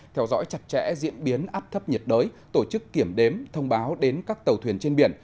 theo dõi chặt chẽ diễn biến áp thấp nhiệt đới tổ chức kiểm đếm thông báo đến các tàu thuyền trên biển